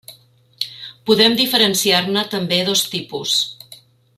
Podem diferenciar-ne també dos tipus.